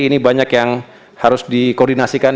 ini banyak yang harus dikoordinasikan